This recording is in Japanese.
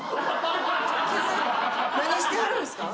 何してはるんすか？